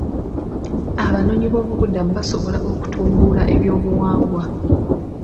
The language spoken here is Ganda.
Abanoonyiboobubudamu baasobola okutumbula ebyobuwangwa.